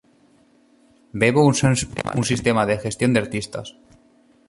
Vevo usa un sistema de gestión de artistas.